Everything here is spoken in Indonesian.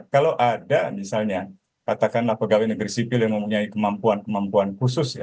kalau ada misalnya katakanlah pegawai negeri sipil yang mempunyai kemampuan kemampuan khusus